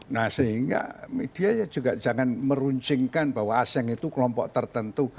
nah sehingga media juga jangan meruncingkan bahwa aseng itu kelompok tertentu